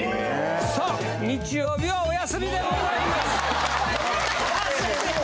さあ日曜日はお休みでございます。